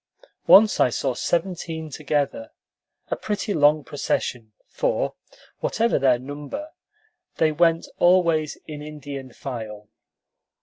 Once I saw seventeen together, a pretty long procession; for, whatever their number, they went always in Indian file.